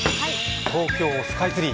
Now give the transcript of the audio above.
東京スカイツリー。